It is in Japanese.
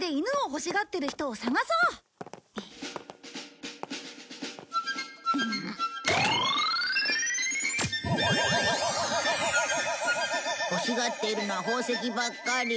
欲しがっているのは宝石ばっかり。